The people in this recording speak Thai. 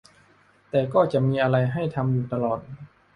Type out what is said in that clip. แต่ก็จะมีอะไรให้ทำอยู่ตลอด